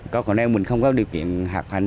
có con em mình không có điều kiện hạt hành